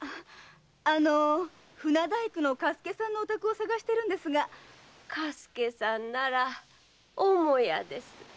あの船大工の嘉助さんのお宅を探してるんですが。嘉助さんなら母屋です。